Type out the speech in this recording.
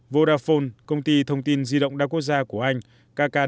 vodafone công ty thông tin di động đa quốc gia của anh kkdi và samsung